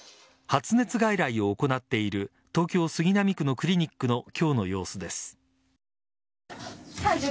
発熱外来を行っている東京・杉並区のクリニックの今日の様子です。